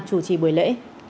chủ trì buổi lễ